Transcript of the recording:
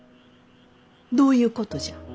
どういうことじゃ？